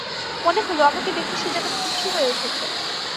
মনে হল, আমাকে দেখে সে যেন খুশি হয়ে উঠেছে।